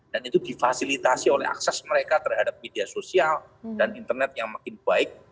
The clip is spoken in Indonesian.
dan itu difasilitasi oleh akses mereka terhadap media sosial dan internet yang makin baik